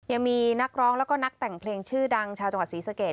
ยังมีนักร้องแล้วก็นักแต่งเพลงชื่อดังชาวจังหวัดศรีสะเกด